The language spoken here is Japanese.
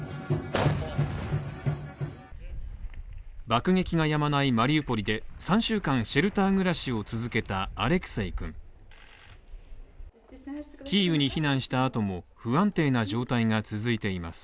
爆撃がやまないマリウポリで３週間シェルター暮らしを続けたアレクセイくんキーウに避難した後も不安定な状態が続いています。